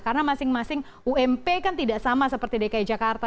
karena masing masing ump kan tidak sama seperti dki jakarta